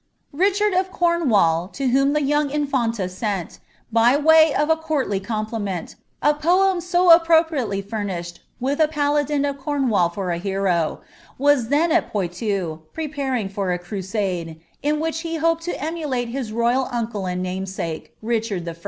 Richard of Cornwall, to whom the young infanta sent, by way of a eonrtly compliment,^ a poem so appropriately furnished with a {xdadin «f Cornwall for a hero, was then at Poitou, preparing for a crusade, in which he hoped to emulate his royal uncle and namesake, Richard I.